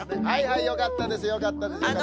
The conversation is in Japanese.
はいはいよかったですよかったです。